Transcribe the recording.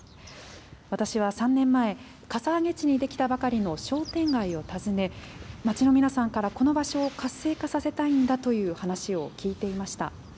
私は３年前、かさ上げ地に出来たばかりの商店街を訪ね、町の皆さんからこの場所を活性化させたいんだという話を聞いていました。